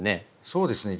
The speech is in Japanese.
そうですね。